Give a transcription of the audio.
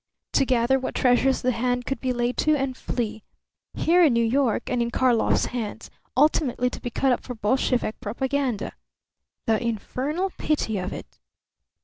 To gather what treasures the hand could be laid to and flee. Here in New York, and in Karlov's hands, ultimately to be cut up for Bolshevik propaganda! The infernal pity of it!